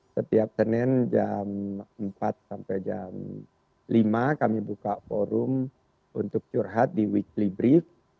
setiap senin jam empat sampai jam lima kami buka forum untuk curhat di weekly brief